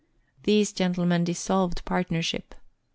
These gentlemen dissolved partnership.